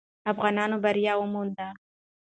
افغانانو بری وموند.